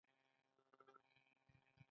امن څه غوښتنه لري؟